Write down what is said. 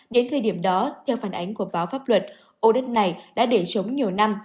đến thời điểm đó theo phản ánh của báo pháp luật ô đất này đã để trống nhiều năm